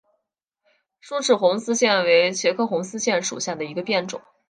疏齿红丝线为茄科红丝线属下的一个变种。